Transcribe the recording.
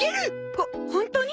ホホントに！？